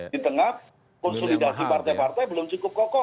di tengah konsolidasi partai partai belum cukup kokoh